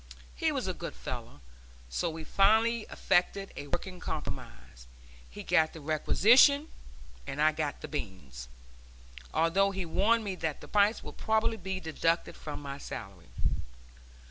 He was a good fellow, so we finally effected a working compromise he got the requisition and I got the beans, although he warned me that the price would probably be deducted from my salary.